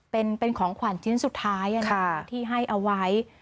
เป็นของขวัญชิ้นสุดท้ายที่ให้เอาไว้